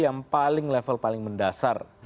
yang paling level paling mendasar